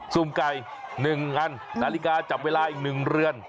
ซุ่มไก่๑อันนาฬิกาจับเวลาอีก๑เรือน